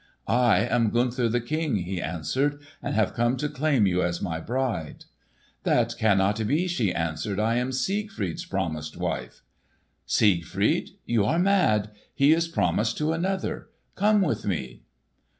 "I am Gunther the King," he answered, "and have come to claim you as my bride." "That cannot be," she answered. "I am Siegfried's promised wife." "Siegfried? You are mad! He is promised to another. Come with me."